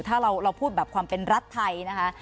ถ้าเราพูดแบบความเป็นรัฐไทยนะคะ